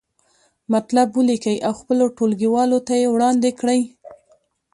مطلب ولیکئ او خپلو ټولګیوالو ته یې وړاندې کړئ.